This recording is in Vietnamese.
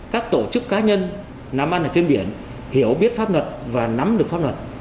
các tổ chức cá nhân làm ăn ở trên biển hiểu biết pháp luật và nắm được pháp luật